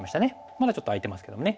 まだちょっと空いてますけどもね。